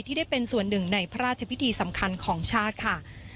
ได้เป็นส่วนหนึ่งในพระราชพิธีสำคัญของชาติค่ะ